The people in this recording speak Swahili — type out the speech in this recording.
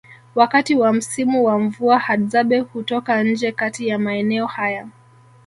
Wakati wa msimu wa mvua Hadzabe hutoka nje kati ya maeneo haya